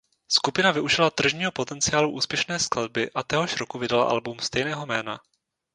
Skupina využila tržního potenciálu úspěšné skladby a téhož roku vydala album stejného jména.